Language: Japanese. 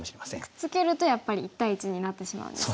くっつけるとやっぱり１対１になってしまうんですね。